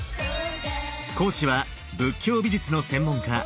講師は仏教美術の専門家